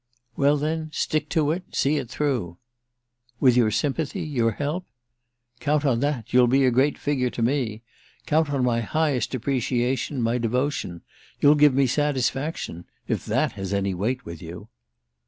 "Well then stick to it—see it through." "With your sympathy—your help?" "Count on that—you'll be a great figure to me. Count on my highest appreciation, my devotion. You'll give me satisfaction—if that has any weight with you."